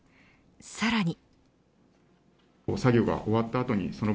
さらに。